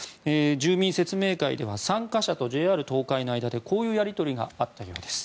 住民説明会では参加者とＪＲ東海の間でこういうやり取りがあったようです。